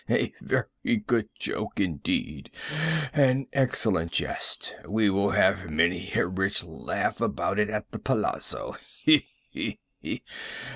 —he! he!—a very good joke indeed—an excellent jest. We will have many a rich laugh about it at the palazzo—he! he!